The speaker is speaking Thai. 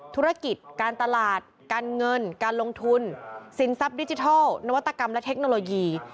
ธุรกิจการตลาดการเงินการลงทุนสินทรัพย์ดิจิทัลนวัตกรรมและเทคโนโลยี